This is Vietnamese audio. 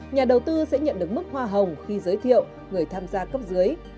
nhà đầu tư sẽ nhận được mức hoa hồng khi giới thiệu người tham gia cấp dưới